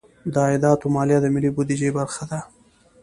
د عایداتو مالیه د ملي بودیجې برخه ده.